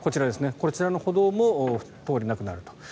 こちらの歩道も通れなくなると。